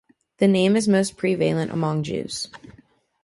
The name is most prevalent among Jews.